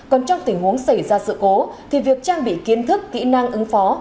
còn trong tình huống xảy ra sự cố thì việc trang bị kiến thức kỹ năng ứng phó